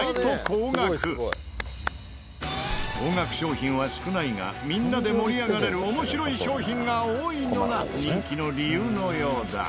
高額商品は少ないがみんなで盛り上がれる面白い商品が多いのが人気の理由のようだ。